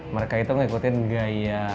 mereka itu mengikutin gaya